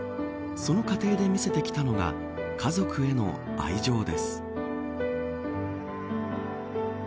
その過程で見せてきたのが家族への愛情です。